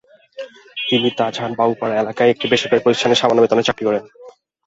তিনি তাজহাট বাবুপাড়া এলাকায় একটি বেসরকারি প্রতিষ্ঠানে সামান্য বেতনে চাকরি করেন।